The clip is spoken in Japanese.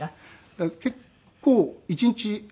だから結構一日。